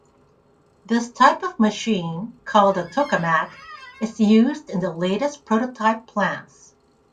This type of machine, called a tokamak, is used in the latest prototype plants.